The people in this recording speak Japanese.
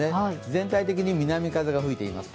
全体的に南風が吹いています。